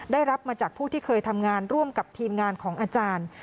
ได้รับมาจากผู้ที่เคยทำงานร่วมกับทีมงานของอาจารย์